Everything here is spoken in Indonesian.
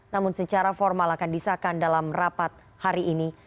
namun secara formal akan disahkan dalam rapat hari ini